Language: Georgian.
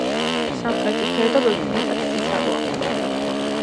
სამხრეთი ფერდობები მეტად ციცაბოა.